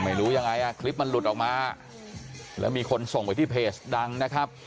ไม่รู้ยังไงอ่ะคลิปมันหลุดออกมาแล้วมีคนส่งไปที่เพจดังนะครับ